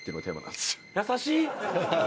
優しい！